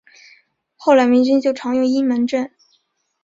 后来民军就常用阴门阵。